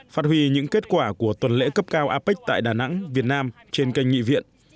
phát huy những kết quả của tuần lễ cấp cao apec tại đà nẵng việt nam trên kênh nghị viện